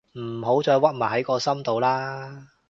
唔好再屈埋喺個心度喇